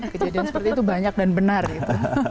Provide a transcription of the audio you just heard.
kejadian seperti itu banyak dan benar gitu